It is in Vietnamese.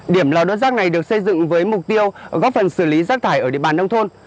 điểm lò đốt rác này được xây dựng với mục tiêu góp phần xử lý rác thải ở địa bàn nông thôn